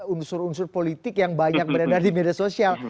unsur unsur politik yang banyak beredar di media sosial